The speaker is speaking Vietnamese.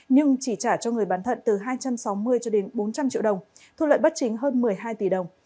nhưng chỉ trả cho người bán thận từ hai trăm sáu mươi cho đến bốn trăm linh triệu đồng thu lợi bất chính hơn một mươi hai tỷ đồng